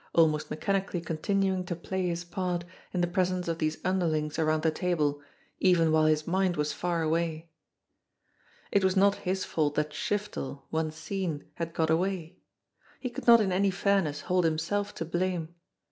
aunost rnecham* 130 JIMMIE DALE AND THE PHANTOM CLUE cally continuing to play his part in the presence of these underlings around the table even while his mind was far away. It was not his fault that Shiftel, once seen, had got away. He could not in any fairness hold himself to blame.